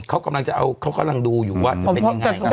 เขากำลังจะเอาเขากำลังดูอยู่ว่าจะเป็นยังไง